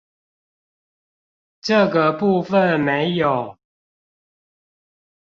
這個部分沒有？